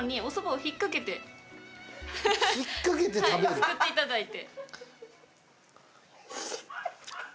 すくっていただいて。